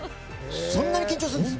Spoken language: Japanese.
そんな緊張するんですか？